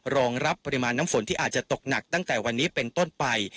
รองรับปริมาณน้ำฝนที่อาจจะตกหนักตั้งแต่วันนี้เป็นต้นไป